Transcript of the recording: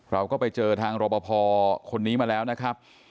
เราก็ไปเจอทางรบพอคนนี้มาแล้วนะครับ